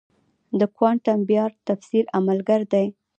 د کوانټم بیارد تفسیر عملگر دی.